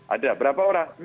ada berapa orang